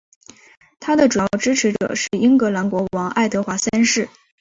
他的主要支持者是英格兰国王爱德华三世。